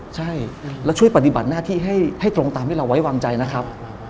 ใช่แล้วช่วยปฏิบัติหน้าที่ให้ตรงตามที่เราไว้วางใจนะครับ